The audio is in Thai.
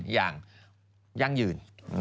อย่างยั่งยืน